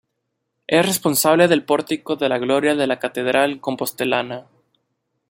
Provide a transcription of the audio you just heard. Es el responsable del Pórtico de la Gloria de la catedral compostelana.